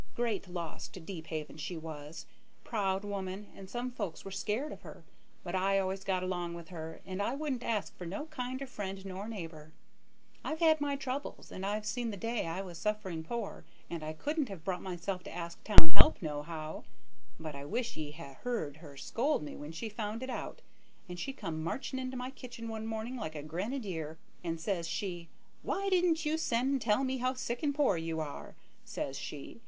Great loss to Deephaven, she was. Proud woman, and some folks were scared of her; but I always got along with her, and I wouldn't ask for no kinder friend nor neighbor. I've had my troubles, and I've seen the day I was suffering poor, and I couldn't have brought myself to ask town help nohow, but I wish ye'd ha' heared her scold me when she found it out; and she come marching into my kitchen one morning, like a grenadier, and says she, 'Why didn't you send and tell me how sick and poor you are?' says she.